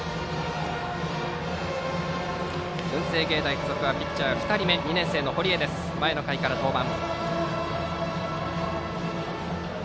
文星芸大付属はピッチャー２人目２年生の堀江、前の回から登板。